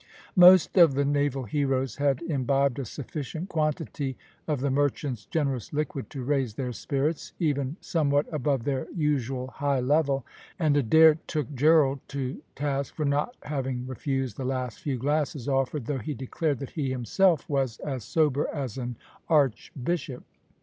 Most of the naval heroes had imbibed a sufficient quantity of the merchant's generous liquid to raise their spirits, even somewhat above their usual high level, and Adair took Gerald to task for not having refused the last few glasses offered, though he declared that he himself was as sober as an archbishop.